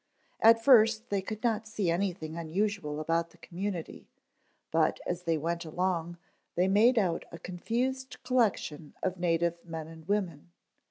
At first they could not see anything unusual about the community, but as they went along they made out a confused collection of native men and women.